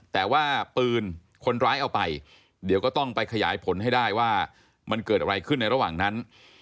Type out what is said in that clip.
แต่ว่าปืนคนร้ายเอาไปเดี๋ยวก็ต้องไปขยายผลให้ได้ว่ามันเกิดอะไรขึ้นในระหว่างนั้น